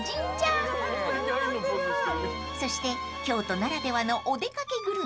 ［そして京都ならではのお出掛けグルメ］